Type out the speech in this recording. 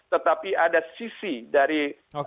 tetapi ada sisi dari